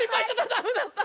ダメだった！